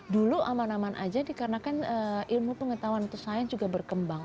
dulu aman aman aja karena kan ilmu pengetahuan atau sains juga berkembang